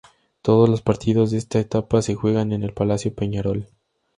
Todos los partidos de esta etapa se juegan en el Palacio Peñarol.